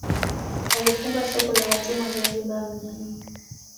Alifunga soko la watumwa Zanzibar mjini